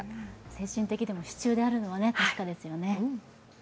精神的支柱であるのは確かですよね。